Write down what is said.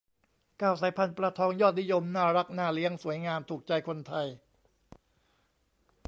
เก้า สายพันธุ์ปลาทองยอดนิยม น่ารัก น่าเลี้ยง สวยงาม ถูกใจคนไทย